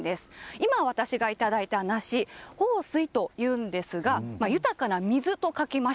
今、私がいただいた梨豊水というんですが豊かな水と書きます。